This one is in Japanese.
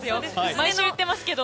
毎週言ってますけど。